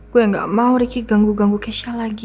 gue gak mau riki ganggu ganggu keisha lagi